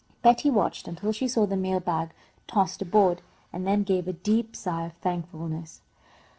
Betty watched until she saw the mail bag tossed aboard, and then gave a deep sigh of thankfulness.